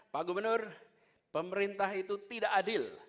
pak gubernur pemerintah itu tidak adil